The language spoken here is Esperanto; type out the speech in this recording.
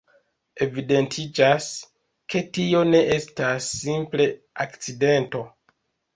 Evidentiĝas, ke tio ne estas simple akcidento.